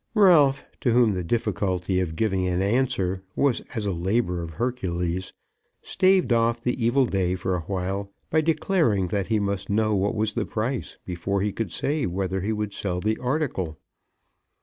Ralph, to whom the difficulty of giving an answer was as a labour of Hercules, staved off the evil day for awhile by declaring that he must know what was the price before he could say whether he would sell the article.